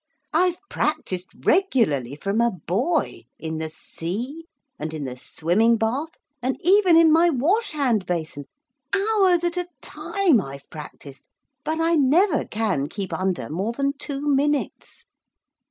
I've practised regularly, from a boy, in the sea, and in the swimming bath, and even in my wash hand basin hours at a time I've practised but I never can keep under more than two minutes.'